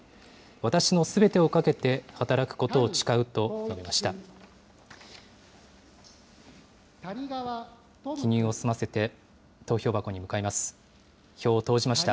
私のすべてをかけて、働くことを誓うと述べました。